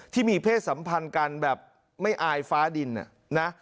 ที่มีเพศสัมพันธ์กันแบบไม่อายฟ้าดินนะ